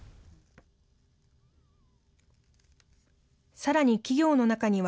さらに企業の中には、